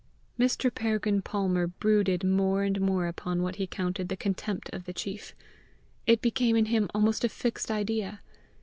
Mr. Peregrine Palmer brooded more and more upon what he counted the contempt of the chief. It became in him almost a fixed idea.